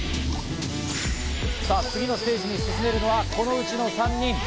さぁ、次のステージに進めるのはこのうちの３人。